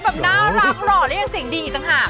แบบน่ารักหล่อเล่นกับเสียงดีต่างหาก